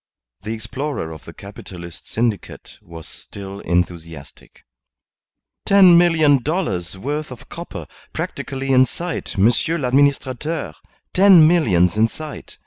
The explorer of the Capitalist syndicate was still enthusiastic. "Ten million dollars' worth of copper practically in sight, Monsieur l'Administrateur. Ten millions in sight!